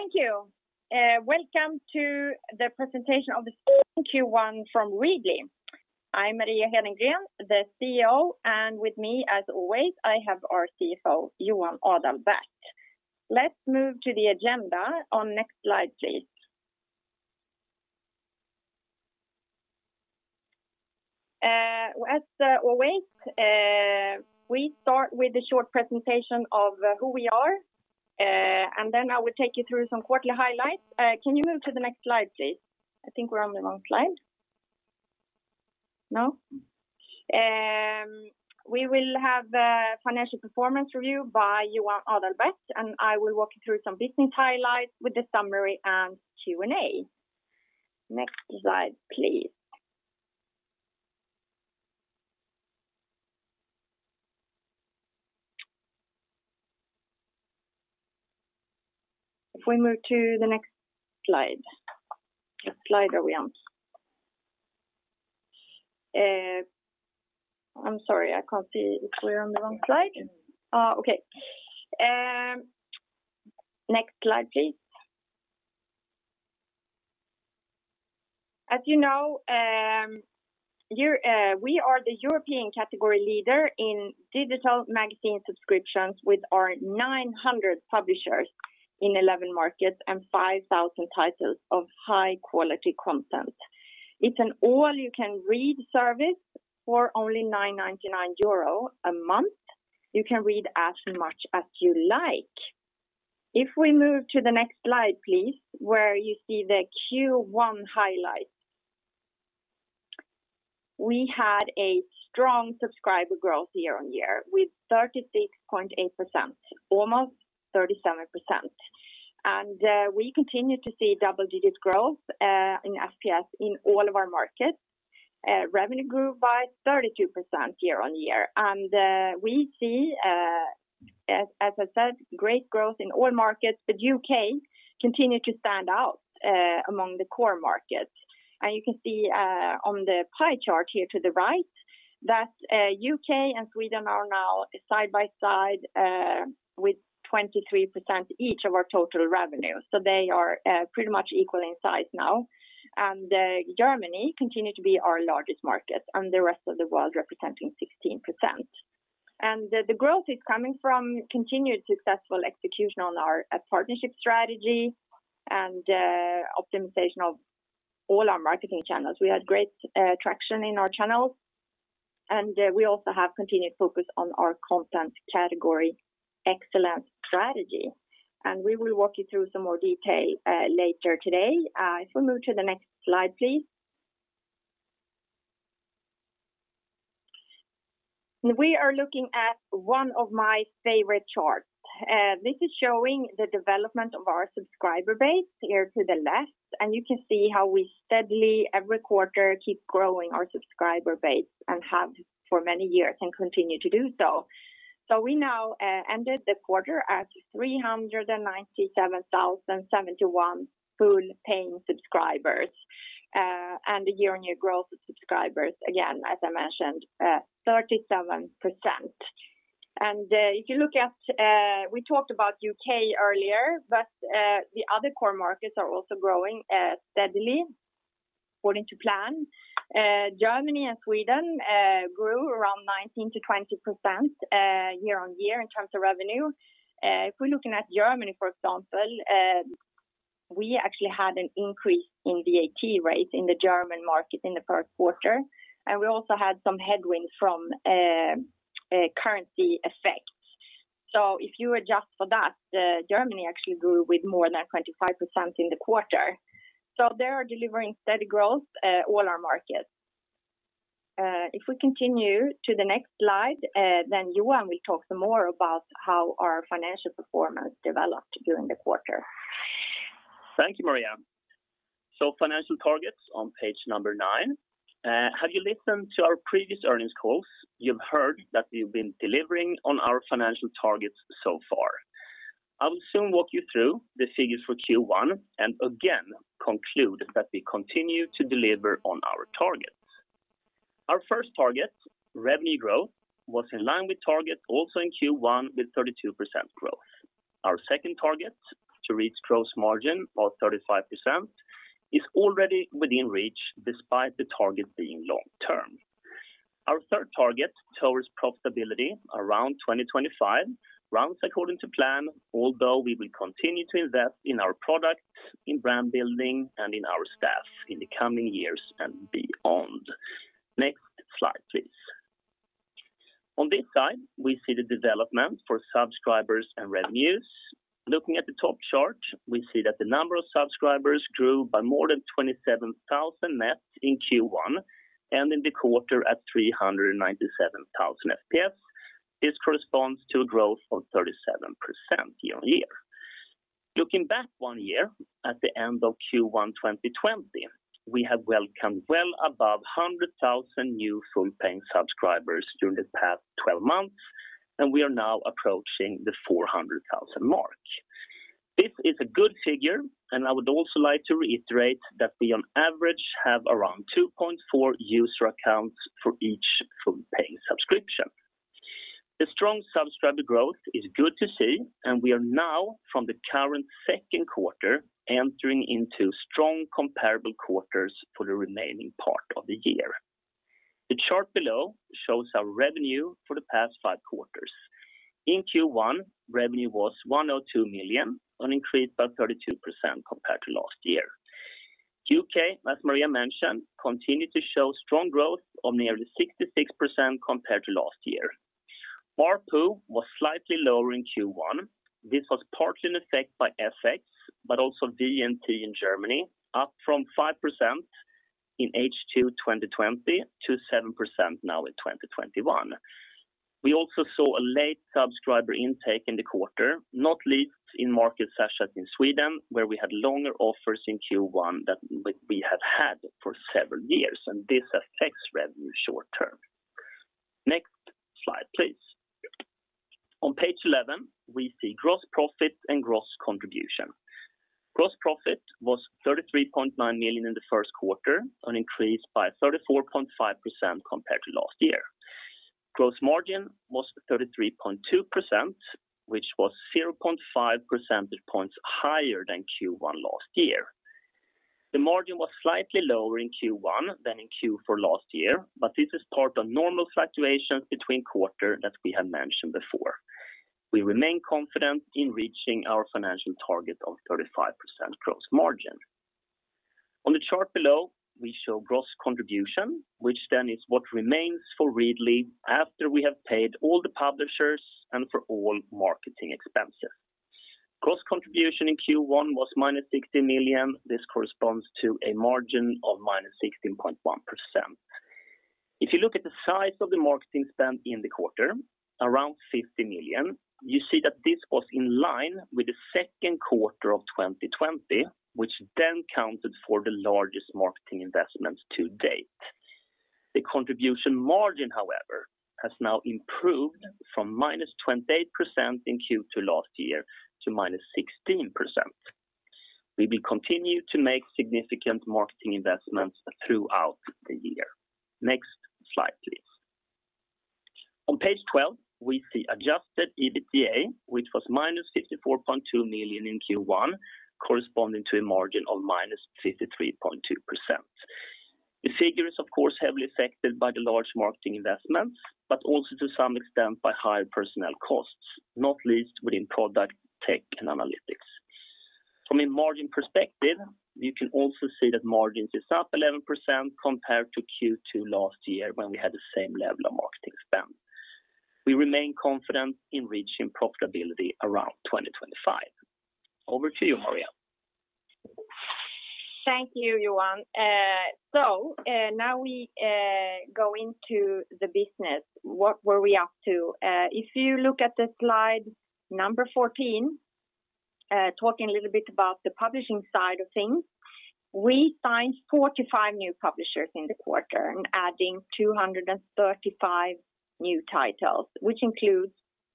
Thank you. Welcome to the presentation of this Q1 from Readly. I'm Maria Hedengren, the CEO, and with me, as always, I have our CFO, Johan Adalberth. Let's move to the agenda on next slide, please. As always, we start with a short presentation of who we are, then I will take you through some quarterly highlights. Can you move to the next slide, please? I think we're on the wrong slide. No. We will have a financial performance review by Johan Adalberth, and I will walk you through some business highlights with the summary and Q&A. Next slide, please. If we move to the next slide. What slide are we on? I'm sorry, I can't see if we're on the wrong slide. Okay. Next slide, please. As you know, we are the European category leader in digital magazine subscriptions with our 900 publishers in 11 markets and 5,000 titles of high-quality content. It's an all-you-can-read service for only 9.99 euro a month. You can read as much as you like. If we move to the next slide, please, where you see the Q1 highlights. We had a strong subscriber growth year-on-year with 36.8%, almost 37%. We continue to see double-digit growth in FPS in all of our markets. Revenue grew by 32% year-on-year. We see, as I said, great growth in all markets, but U.K. continue to stand out among the core markets. You can see on the pie chart here to the right that U.K. and Sweden are now side by side with 23% each of our total revenue. They are pretty much equal in size now. Germany continue to be our largest market, and the rest of the world representing 16%. The growth is coming from continued successful execution on our partnership strategy and optimization of all our marketing channels. We had great traction in our channels, and we also have continued focus on our content category excellence strategy. We will walk you through some more detail later today. If we move to the next slide, please. We are looking at one of my favorite charts. This is showing the development of our subscriber base here to the left, and you can see how we steadily, every quarter, keep growing our subscriber base and have for many years and continue to do so. We now ended the quarter at 397,071 full-paying subscribers, and the year-on-year growth of subscribers, again, as I mentioned 37%. We talked about U.K. earlier, the other core markets are also growing steadily according to plan. Germany and Sweden grew around 19%-20% year-over-year in terms of revenue. If we're looking at Germany, for example, we actually had an increase in VAT rates in the German market in the first quarter, and we also had some headwinds from currency effects. If you adjust for that, Germany actually grew with more than 25% in the quarter. They are delivering steady growth, all our markets. If we continue to the next slide, then Johan will talk some more about how our financial performance developed during the quarter. Thank you, Maria. Financial targets on page number nine. Have you listened to our previous earnings calls? You've heard that we've been delivering on our financial targets so far. I will soon walk you through the figures for Q1 and again conclude that we continue to deliver on our targets. Our first target, revenue growth, was in line with target also in Q1 with 32% growth. Our second target, to reach gross margin of 35%, is already within reach despite the target being long term. Our third target, towards profitability around 2025, runs according to plan, although we will continue to invest in our product, in brand building, and in our staff in the coming years and beyond. Next slide, please. On this slide, we see the development for subscribers and revenues. Looking at the top chart, we see that the number of subscribers grew by more than 27,000 net in Q1 and ended the quarter at 397,000 FPS. This corresponds to a growth of 37% year-on-year. Looking back one year at the end of Q1 2020, we have welcomed well above 100,000 new full-paying subscribers during the past 12 months, and we are now approaching the 400,000 mark. This is a good figure, and I would also like to reiterate that we on average have around 2.4 user accounts for each full-paying subscription. The strong subscriber growth is good to see, and we are now from the current second quarter entering into strong comparable quarters for the remaining part of the year. The chart below shows our revenue for the past five quarters. In Q1, revenue was 102 million, an increase by 32% compared to last year. U.K., as Maria mentioned, continued to show strong growth of nearly 66% compared to last year. ARPU was slightly lower in Q1. This was partially affected by FX, but also VAT in Germany, up from 5% in H2 2020 to 7% now in 2021. We also saw a late subscriber intake in the quarter, not least in markets such as in Sweden, where we had longer offers in Q1 than we have had for several years, and this affects revenue short-term. Next slide, please. On page 11, we see gross profit and gross contribution. Gross profit was 33.9 million in the first quarter, an increase by 34.5% compared to last year. Gross margin was 33.2%, which was 0.5 percentage points higher than Q1 last year. The margin was slightly lower in Q1 than in Q4 last year. This is part of normal fluctuations between quarters that we have mentioned before. We remain confident in reaching our financial target of 35% gross margin. On the chart below, we show gross contribution, which then is what remains for Readly after we have paid all the publishers and for all marketing expenses. Gross contribution in Q1 was minus 16 million. This corresponds to a margin of -16.1%. If you look at the size of the marketing spend in the quarter, around 50 million, you see that this was in line with the second quarter of 2020, which then counted for the largest marketing investment to date. The contribution margin, however, has now improved from -28% in Q2 last year to -16%. We will continue to make significant marketing investments throughout the year. Next slide, please. On page 12, we see adjusted EBITDA, which was -54.2 million in Q1, corresponding to a margin of -53.2%. The figure is, of course, heavily affected by the large marketing investments, but also to some extent by higher personnel costs, not least within product, tech, and analytics. From a margin perspective, you can also see that margins is up 11% compared to Q2 last year when we had the same level of marketing spend. We remain confident in reaching profitability around 2025. Over to you, Maria. Thank you, Johan. Now we go into the business. What were we up to? If you look at the slide number 14, talking a little bit about the publishing side of things. We signed 45 new publishers in the quarter and adding 235 new titles, which includes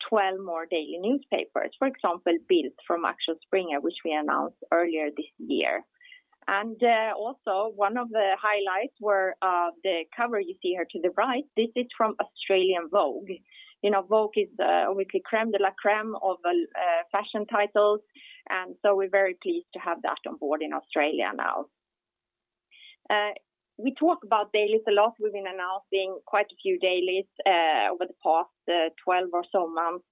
12 more daily newspapers. For example, Bild from Axel Springer, which we announced earlier this year. One of the highlights were the cover you see here to the right. This is from Australian Vogue. Vogue is the crème de la crème of fashion titles, and so we're very pleased to have that on board in Australia now. We talk about dailies a lot. We've been announcing quite a few dailies over the past 12 or so months.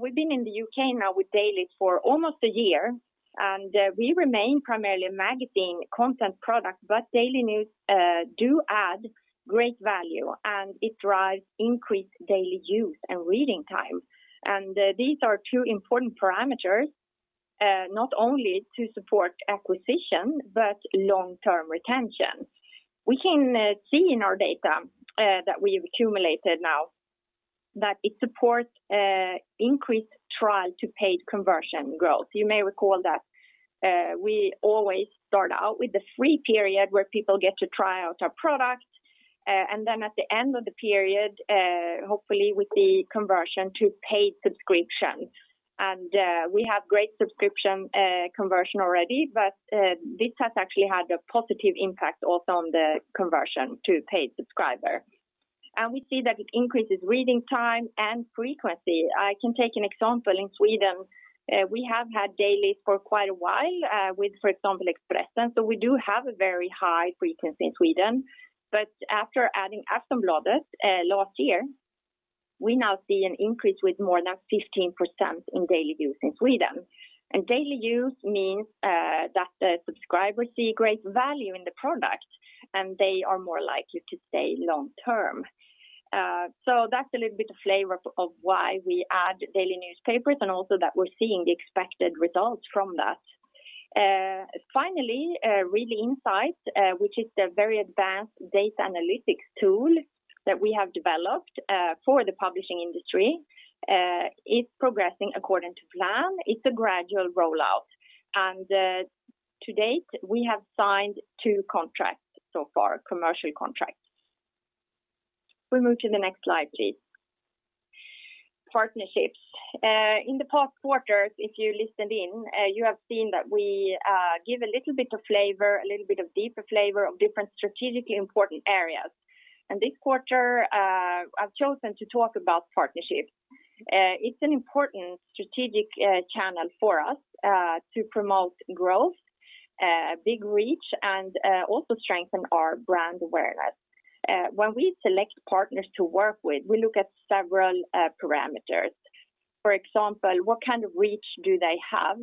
We've been in the U.K. now with dailies for almost a year, and we remain primarily a magazine content product, but daily news do add great value, and it drives increased daily use and reading time. These are two important parameters, not only to support acquisition, but long-term retention. We can see in our data that we've accumulated now that it supports increased trial to paid conversion growth. You may recall that we always start out with the free period where people get to try out our product, and then at the end of the period, hopefully we see conversion to paid subscription. We have great subscription conversion already, but this has actually had a positive impact also on the conversion to paid subscriber. We see that it increases reading time and frequency. I can take an example. In Sweden, we have had dailies for quite a while with, for example, "Expressen," so we do have a very high frequency in Sweden. After adding "Aftonbladet" last year, we now see an increase with more than 15% in daily use in Sweden. Daily use means that the subscribers see great value in the product and they are more likely to stay long-term. That's a little bit of flavor of why we add daily newspapers and also that we're seeing the expected results from that. Finally, Readly Insight, which is the very advanced data analytics tool that we have developed for the publishing industry, is progressing according to plan. It's a gradual rollout. To date, we have signed two contracts so far, commercial contracts. We move to the next slide, please. Partnerships. In the past quarters, if you listened in, you have seen that we give a little bit of deeper flavor of different strategically important areas. This quarter, I've chosen to talk about partnerships. It's an important strategic channel for us to promote growth, big reach, and also strengthen our brand awareness. When we select partners to work with, we look at several parameters. For example, what kind of reach do they have?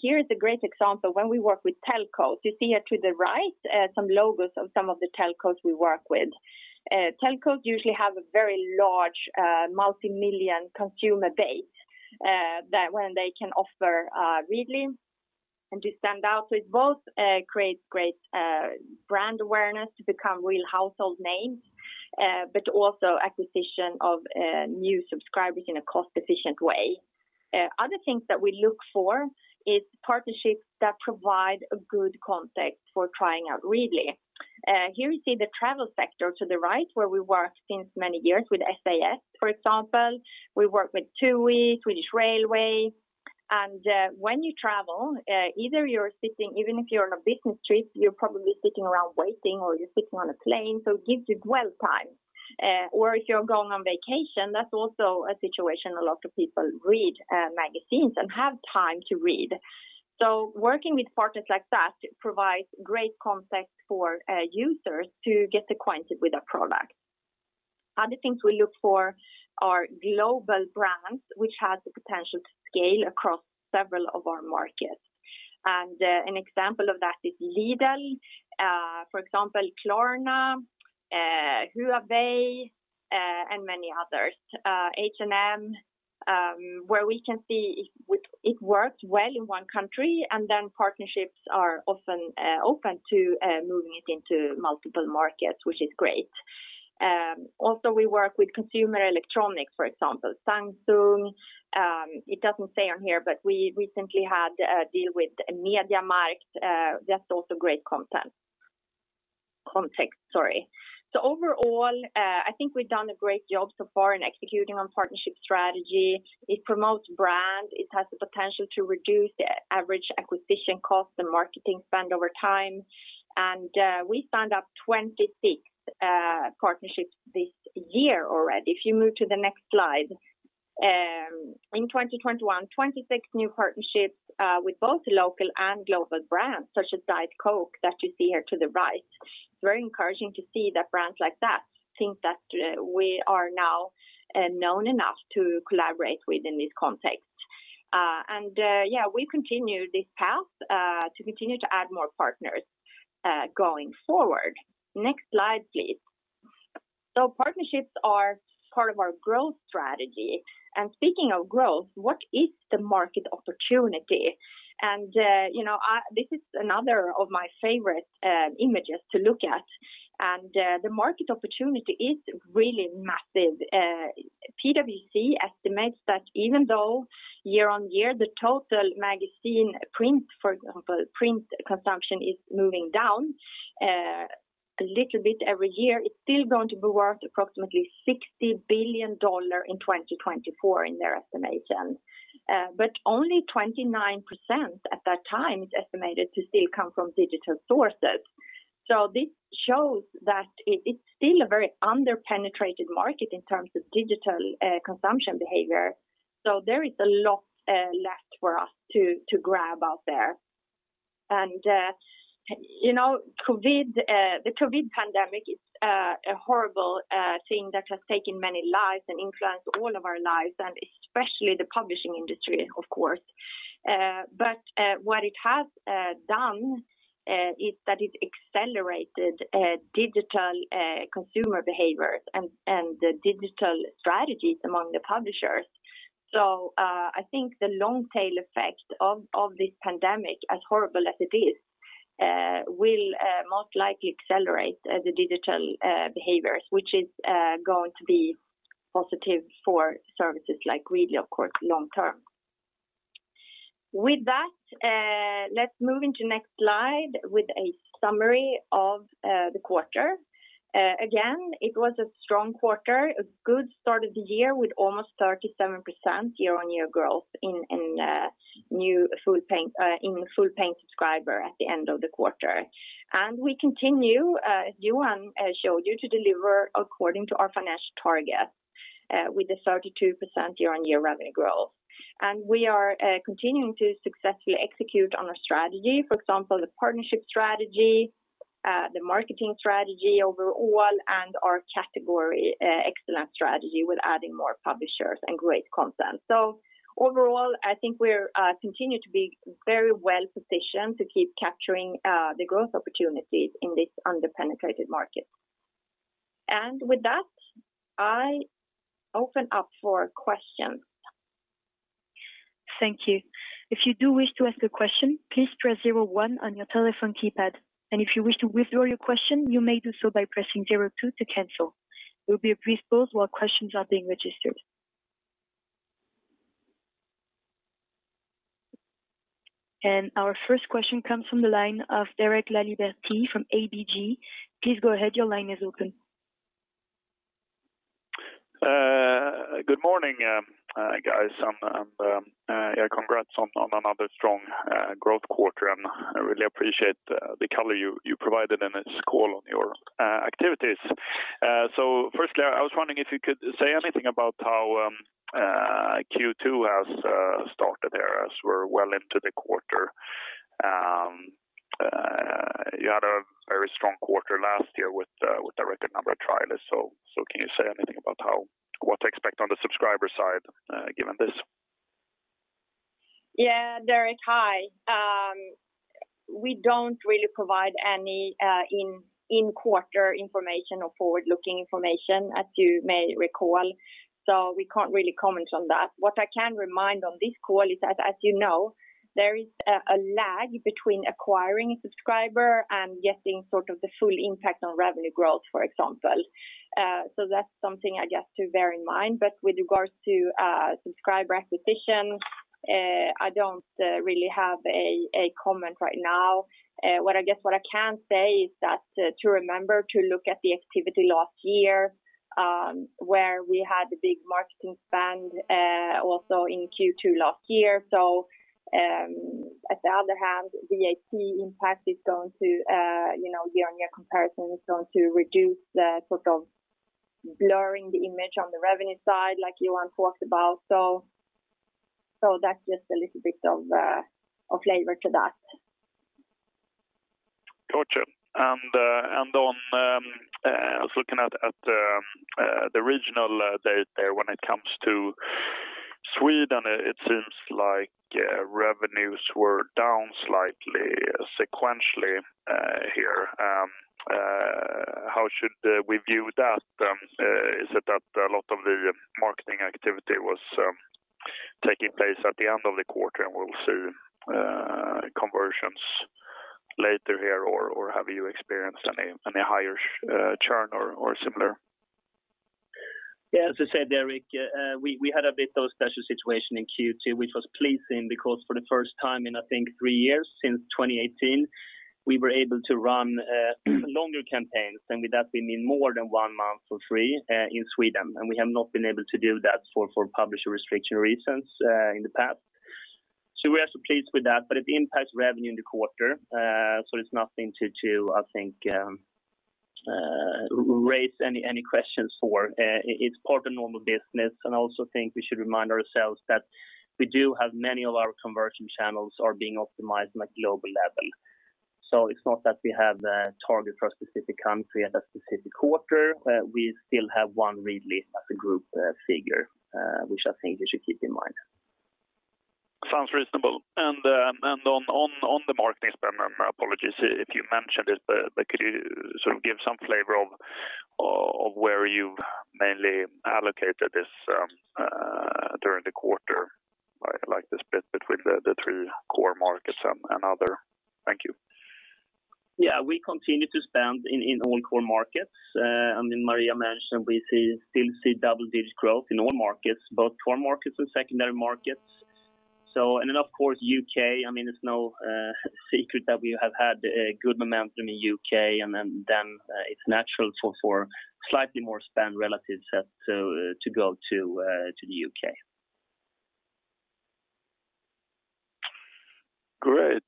Here is a great example. When we work with telcos, you see here to the right some logos of some of the telcos we work with. Telcos usually have a very large multi-million consumer base that when they can offer Readly and to stand out, so it both creates great brand awareness to become real household names, but also acquisition of new subscribers in a cost-efficient way. Other things that we look for is partnerships that provide a good context for trying out Readly. Here we see the travel sector to the right where we worked since many years with SAS, for example. We work with TUI, Swedish Railway. When you travel, even if you're on a business trip, you're probably sitting around waiting or you're sitting on a plane, so it gives you dwell time. If you're going on vacation, that's also a situation a lot of people read magazines and have time to read. Working with partners like that provides great context for users to get acquainted with our product. Other things we look for are global brands, which has the potential to scale across several of our markets. An example of that is Lidl, for example, Klarna, Huawei, and many others, H&M, where we can see it works well in one country and then partnerships are often open to moving it into multiple markets, which is great. Also we work with consumer electronics, for example, Samsung. It doesn't say on here, but we recently had a deal with MediaMarkt. That's also great context. Overall, I think we've done a great job so far in executing on partnership strategy. It promotes brand, it has the potential to reduce the average acquisition cost and marketing spend over time, and we signed up 26 partnerships this year already. If you move to the next slide. In 2021, 26 new partnerships with both local and global brands, such as Diet Coke, that you see here to the right. It's very encouraging to see that brands like that think that we are now known enough to collaborate with in this context. We continue this path to continue to add more partners going forward. Next slide, please. Partnerships are part of our growth strategy. Speaking of growth, what is the market opportunity? This is another of my favorite images to look at. The market opportunity is really massive. PwC estimates that even though year-over-year, the total magazine print, for example, print consumption is moving down a little bit every year, it's still going to be worth approximately SEK 60 billion in 2024 in their estimation. Only 29% at that time is estimated to still come from digital sources. This shows that it's still a very under-penetrated market in terms of digital consumption behavior. There is a lot left for us to grab out there. The COVID pandemic is a horrible thing that has taken many lives and influenced all of our lives, and especially the publishing industry, of course. What it has done is that it's accelerated digital consumer behaviors and the digital strategies among the publishers. I think the long tail effect of this pandemic, as horrible as it is, will most likely accelerate the digital behaviors, which is going to be positive for services like Readly, of course, long term. With that, let's move into next slide with a summary of the quarter. Again, it was a strong quarter, a good start of the year with almost 37% year-on-year growth in the full-paying subscriber at the end of the quarter. We continue, Johan showed you, to deliver according to our financial targets with a 32% year-on-year revenue growth. We are continuing to successfully execute on our strategy. For example, the partnership strategy, the marketing strategy overall, and our category excellence strategy with adding more publishers and great content. Overall, I think we continue to be very well-positioned to keep capturing the growth opportunities in this under-penetrated market. With that, I open up for questions. Thank you. If you do wish to ask a question, please press zero one on your telephone keypad. If you wish to withdraw your question, you may do so by pressing zero two to cancel. There will be a brief pause while questions are being registered. Our first question comes from the line of Derek Laliberté from ABG. Please go ahead. Your line is open. Good morning, guys. Congrats on another strong growth quarter, and I really appreciate the color you provided in this call on your activities. Firstly, I was wondering if you could say anything about how Q2 has started there, as we're well into the quarter. You had a very strong quarter last year with a record number of trials. Can you say anything about what to expect on the subscriber side, given this? Derek, hi. We don't really provide any in-quarter information or forward-looking information, as you may recall. We can't really comment on that. What I can remind on this call is that, as you know, there is a lag between acquiring a subscriber and getting the full impact on revenue growth, for example. That's something, I guess, to bear in mind. With regards to subscriber acquisition, I don't really have a comment right now. What I guess I can say is that to remember to look at the activity last year, where we had the big marketing spend also in Q2 last year. On the other hand, VAT impact is going to, year-on-year comparison, is going to reduce the sort of blurring the image on the revenue side, like Johan talked about. That's just a little bit of flavor to that. Got you. I was looking at the regional data there. When it comes to Sweden, it seems like revenues were down slightly sequentially here. How should we view that? Is it that a lot of the marketing activity was taking place at the end of the quarter and we'll see conversions later here, or have you experienced any higher churn or similar? Yeah, as I said, Derek, we had a bit of a special situation in Q2, which was pleasing because for the first time in, I think three years, since 2018, we were able to run longer campaigns. With that, we mean more than one month for free in Sweden, and we have not been able to do that for publisher restriction reasons in the past. We are pleased with that, but it impacts revenue in the quarter. It's nothing to, I think, raise any questions for. It's part of normal business, and I also think we should remind ourselves that we do have many of our conversion channels are being optimized on a global level. It's not that we have a target for a specific country and a specific quarter. We still have one Readly as a group figure, which I think we should keep in mind. Sounds reasonable. On the marketing spend, apologies if you mentioned this, but could you sort of give some flavor of where you mainly allocated this during the quarter? Like the split between the three core markets and other. Thank you. We continue to spend in all core markets. Maria mentioned we still see double-digit growth in all markets, both core markets and secondary markets. Of course, U.K., it's no secret that we have had a good momentum in U.K., and then it's natural for slightly more spend relative to go to the U.K. Great.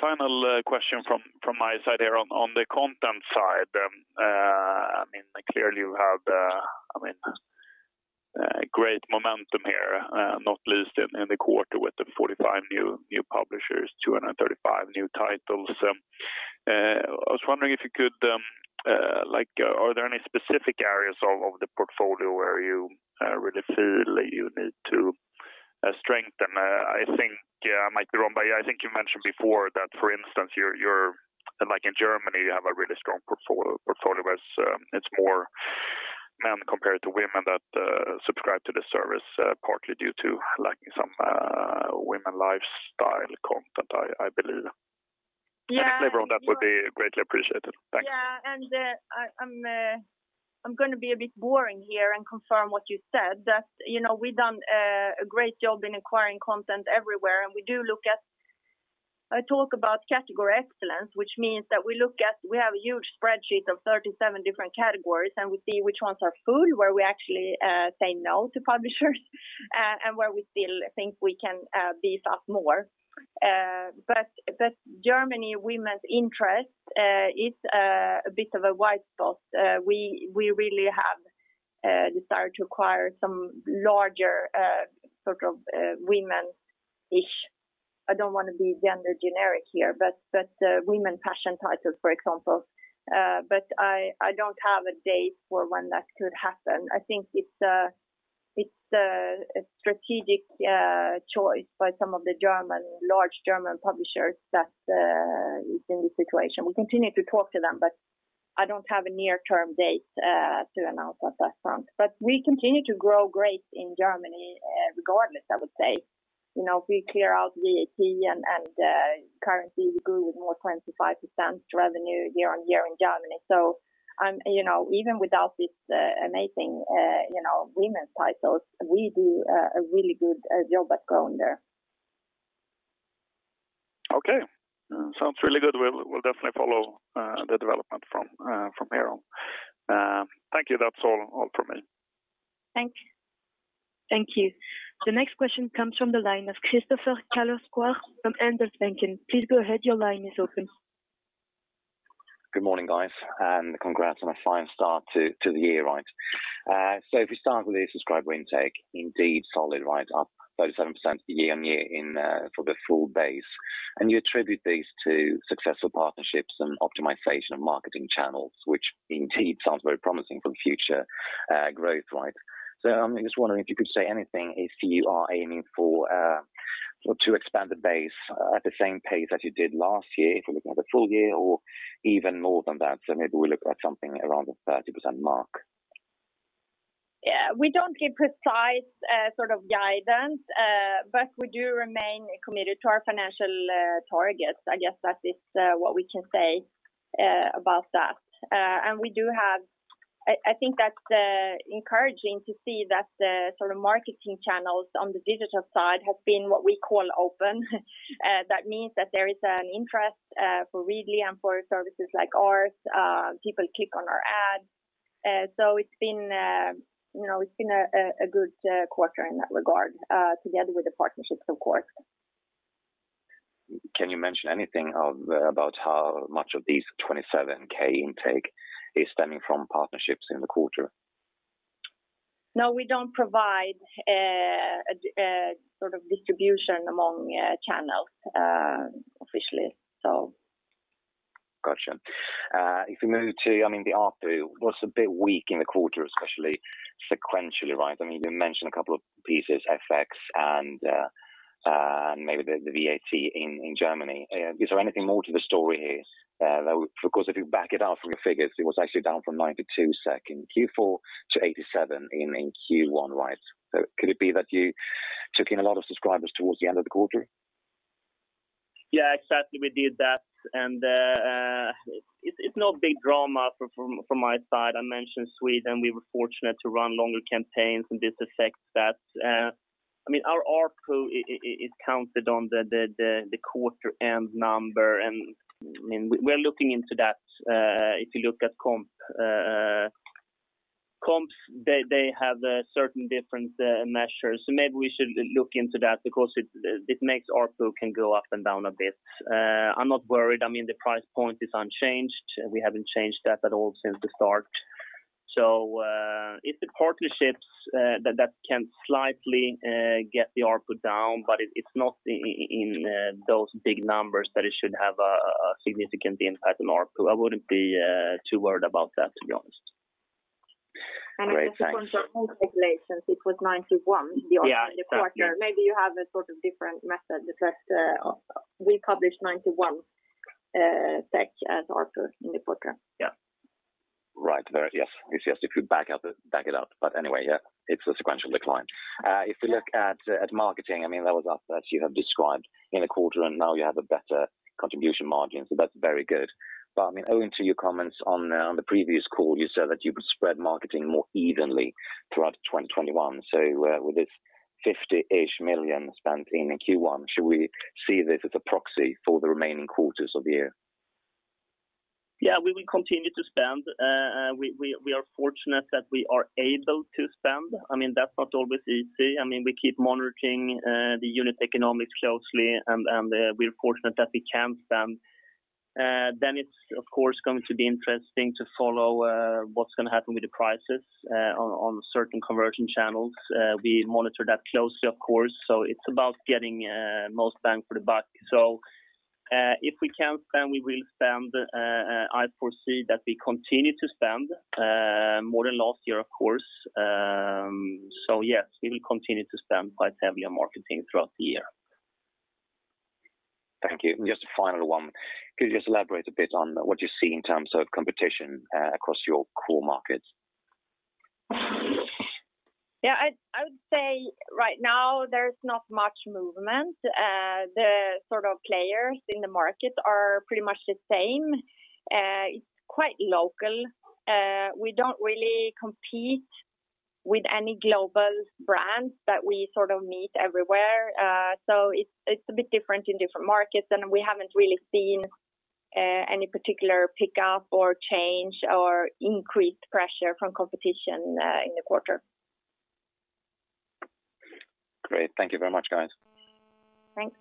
Final question from my side here. On the content side, clearly you have great momentum here, not least in the quarter with the 45 new publishers, 235 new titles. I was wondering if there are any specific areas of the portfolio where you feel you need to strengthen? I think I might be wrong, but I think you mentioned before that, for instance, like in Germany, you have a really strong portfolio as it's more men compared to women that subscribe to the service, partly due to lacking some women lifestyle content, I believe. Yeah. Any flavor on that would be greatly appreciated. Thanks. Yeah. I'm going to be a bit boring here and confirm what you said, that we've done a great job in acquiring content everywhere, and we do look at. I talk about category excellence, which means that we look at, we have a huge spreadsheet of 37 different categories, and we see which ones are full, where we actually say no to publishers and where we still think we can beef up more. Germany women's interest, it's a bit of a white spot. We really have desire to acquire some larger sort of women-ish, I don't want to be gender generic here, but women passion titles, for example. I don't have a date for when that could happen. I think it's a strategic choice by some of the large German publishers that is in this situation. We continue to talk to them, but I don't have a near-term date to announce on that front. We continue to grow great in Germany regardless, I would say. If we clear out VAT and currency, we grew with more 25% revenue year-on-year in Germany. Even without these amazing women titles, we do a really good job at growing there. Okay. Sounds really good. We'll definitely follow the development from here on. Thank you. That's all from me. Thank you. The next question comes from the line of Kristoffer Carleskär from Handelsbanken. Please go ahead. Your line is open. Good morning, guys, congrats on a fine start to the year. If we start with the subscriber intake, indeed solid, right up 37% year-on-year for the full base. You attribute these to successful partnerships and optimization of marketing channels, which indeed sounds very promising for future growth. I'm just wondering if you could say anything, if you are aiming to expand the base at the same pace that you did last year, if we're looking at the full year or even more than that, maybe we look at something around the 30% mark. Yeah. We don't give precise sort of guidance, but we do remain committed to our financial targets. I guess that is what we can say about that. I think that's encouraging to see that the sort of marketing channels on the digital side have been what we call open. That means that there is an interest for Readly and for services like ours. People click on our ads. It's been a good quarter in that regard, together with the partnerships, of course. Can you mention anything about how much of these 27K intake is stemming from partnerships in the quarter? No, we don't provide a sort of distribution among channels officially. Got you. If we move to, the ARPU was a bit weak in the quarter, especially sequentially, right? You mentioned a couple of pieces, FX and maybe the VAT in Germany. Is there anything more to the story here? Though, of course, if you back it out from the figures, it was actually down from 92 in Q4 to 87 in Q1, right? Could it be that you took in a lot of subscribers towards the end of the quarter? Yeah, exactly. We did that, and it's no big drama from my side. I mentioned Sweden, we were fortunate to run longer campaigns, and this affects that. Our ARPU is counted on the quarter-end number, and we're looking into that. If you look at comps, they have certain different measures. Maybe we should look into that because it makes ARPU can go up and down a bit. I'm not worried. The price point is unchanged. We haven't changed that at all since the start. It's the partnerships that can slightly get the ARPU down, but it's not in those big numbers that it should have a significant impact on ARPU. I wouldn't be too worried about that, to be honest. Great, thanks. Just on your comp calculations, it was SEK 91, the ARPU in the quarter. Yeah, exactly. Maybe you have a sort of different method because we published 91 as ARPU in the quarter. Yeah. Right. Yes. If you back it up. Anyway, yeah, it's a sequential decline. If you look at marketing, that was as you have described in the quarter, and now you have a better contribution margin, so that's very good. Owing to your comments on the previous call, you said that you would spread marketing more evenly throughout 2021. With this 50-ish million spent in Q1, should we see this as a proxy for the remaining quarters of the year? Yeah, we will continue to spend. We are fortunate that we are able to spend. That's not always easy. We keep monitoring the unit economics closely, and we're fortunate that we can spend. It's, of course, going to be interesting to follow what's going to happen with the prices on certain conversion channels. We monitor that closely, of course. It's about getting most bang for the buck. If we can spend, we will spend. I foresee that we continue to spend more than last year, of course. Yes, we will continue to spend quite heavily on marketing throughout the year. Thank you. Just a final one. Could you just elaborate a bit on what you see in terms of competition across your core markets? Yeah. I would say right now there's not much movement. The sort of players in the markets are pretty much the same. It's quite local. We don't really compete with any global brands that we sort of meet everywhere. It's a bit different in different markets, and we haven't really seen any particular pickup or change or increased pressure from competition in the quarter. Great. Thank you very much, guys. Thanks.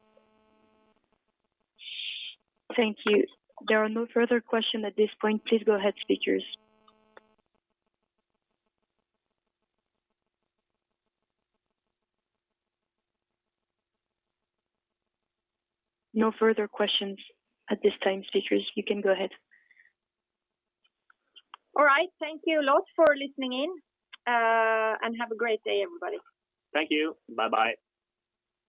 Thank you. There are no further questions at this point. Please go ahead, speakers. No further questions at this time, speakers, you can go ahead. All right. Thank you a lot for listening in, and have a great day, everybody. Thank you. Bye-bye.